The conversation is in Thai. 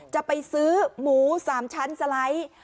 จะไปซื้อหมู๓ชั้นสไลด์